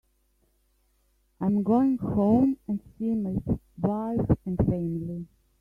I'm going home and see my wife and family.